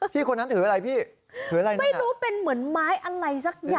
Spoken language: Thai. คนนั้นถืออะไรพี่ถืออะไรมาไม่รู้เป็นเหมือนไม้อะไรสักอย่าง